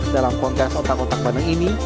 dalam kontes otak otak bandeng ini